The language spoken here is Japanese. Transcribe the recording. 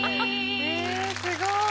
すごい。